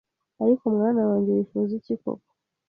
Ariko mwana wanjye wifuza iiki koko….”